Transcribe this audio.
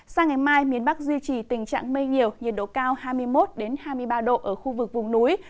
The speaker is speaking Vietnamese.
sang ngày mai miền bắc duy trì tình trạng mây nhiều nhiệt độ cao hai mươi một hai mươi ba độ ở khu vực vùng núi